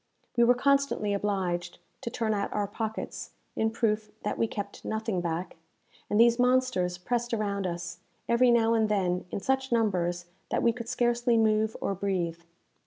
We were constantly obliged to turn out our pockets, in proof that we kept nothing back; and these monsters pressed around us, every now and then, in such numbers that we could scarcely move or breathe.